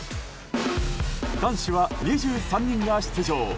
男子は２３人が出場。